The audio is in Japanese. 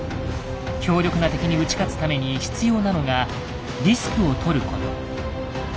強力な敵に打ち勝つために必要なのがリスクをとること。